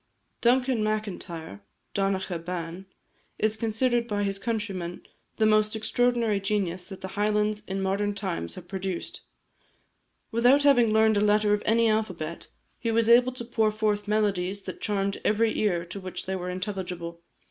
Duncan Macintyre (Donacha Ban) is considered by his countrymen the most extraordinary genius that the Highlands in modern times have produced. Without having learned a letter of any alphabet, he was enabled to pour forth melodies that charmed every ear to which they were intelligible.